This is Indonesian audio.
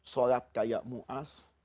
sholat kayak mu'adh